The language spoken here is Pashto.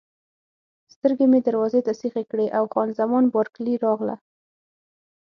سترګې مې دروازې ته سیخې کړې او خان زمان بارکلي راغله.